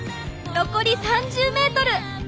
残り３０ｍ！